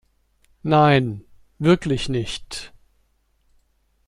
Nein, wirklich nicht.